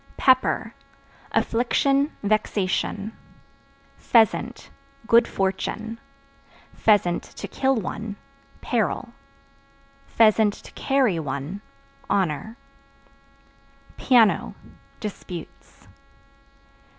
Pepper Affliction, vexation. Pheasant Good fortune; (to kill one) peril; (to carry one) honor. Piano Disputes.